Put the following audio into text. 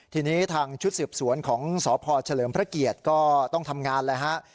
ทีนี้ทางชุดสืบสวนของสพเฉลิมพระเกียรติก็ต้องทำงานเลยฮะ